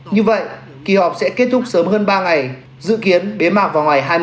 như vậy kỳ họp sẽ kết thúc sớm hơn ba ngày dự kiến bế mạc vào ngày hai mươi tám tháng bảy